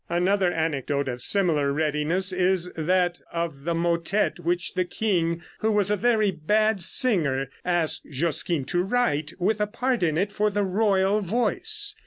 Another anecdote of similar readiness is that of the motette which the king, who was a very bad singer, asked Josquin to write, with a part in it for the royal voice.